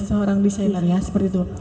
seorang desainer ya seperti itu